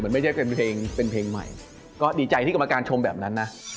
ไม่ใช่เป็นเพลงเป็นเพลงใหม่ก็ดีใจที่กรรมการชมแบบนั้นนะ